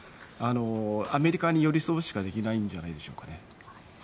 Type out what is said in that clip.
アメリカに寄り添うしかできないんじゃないでしょうか。